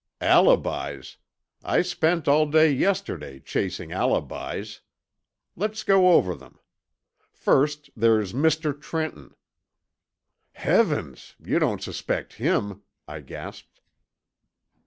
"Alibis! I spent all day yesterday chasing alibis. Let's go over them. First, there's Mr. Trenton " "Heavens! You don't suspect him?" I gasped.